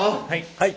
はい！